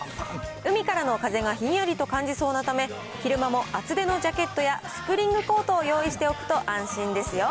海からの風がひんやりと感じそうなため、昼間も厚手のジャケットや、スプリングコートを用意しておくと安心ですよ。